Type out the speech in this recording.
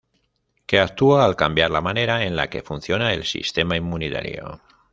Que actúa al cambiar la manera en la que funciona el sistema inmunitario.